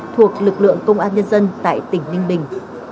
thuộc lực lượng công an nhân dân tại tỉnh ninh bình